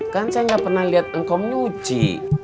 kan saya gak pernah liat engkom nyuci